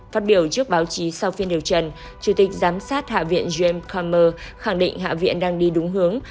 phát biểu trước báo chí sau phiên điều trần chủ tịch giám sát hạ viện james kammer khẳng định hạ viện đang đi đúng hướng